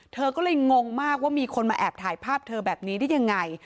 เธอก็เลยงงมากว่ามีคนมาแอบถ่ายภาพเธอแบบนี้ได้ยังไง